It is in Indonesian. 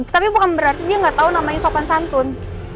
tapi bukan berarti dia gak tau namanya sopan santun